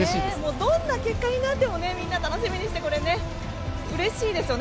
どんな結果になってもみんな楽しみにしているからうれしいですよね